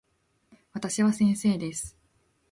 私は先生です。